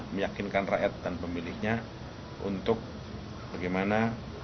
meyakinkan rakyat dan pemilihnya untuk bagaimana